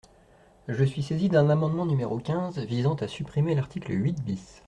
Je suis saisie d’un amendement numéro quinze visant à supprimer l’article huit bis.